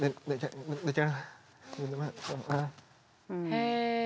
へえ。